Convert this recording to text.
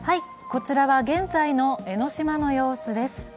こちらは現在の江ノ島の様子です。